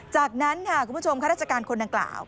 จากนั้นค่ะคุณผู้ชมข้าราชการคนดังกล่าว